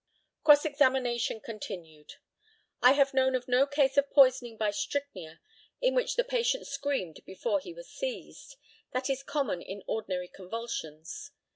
Cross examination continued: I have known of no case of poisoning by strychnia in which the patient screamed before he was seized. That is common in ordinary convulsions.